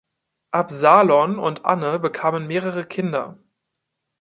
Absalon und Anne bekamen mehrere Kinder.